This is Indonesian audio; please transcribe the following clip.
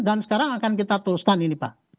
dan sekarang akan kita teruskan ini pak